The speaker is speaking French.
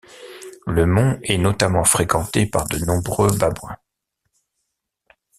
Le mont est notamment fréquenté par de nombreux babouins.